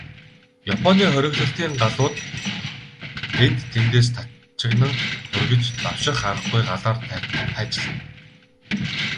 Японы хориглолтын галууд энд тэндээс тачигнан тургиж, давших аргагүй галаар хайчилна.